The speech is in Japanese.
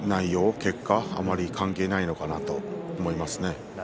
結果はあまり関係ないのかなと思いますね。